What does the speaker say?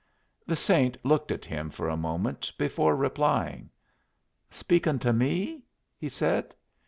The Saint looked at him for a moment before replying. "Speakin' to me?" he said.